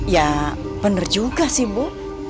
ya bener juga sih bu